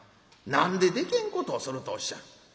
何ででけへんことをするとおっしゃる。